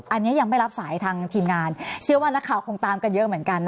อันนี้ยังไม่รับสายทางทีมงานเชื่อว่านักข่าวคงตามกันเยอะเหมือนกันนะ